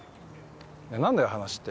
で何だよ話って。